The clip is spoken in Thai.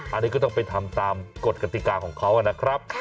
อันนี้ก็ต้องไปทำตามกฎกติกาของเขานะครับ